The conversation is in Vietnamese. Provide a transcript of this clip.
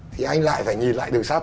thì anh lại phải nhìn lại đường sắt